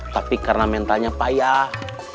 tapi karena mentalnya payah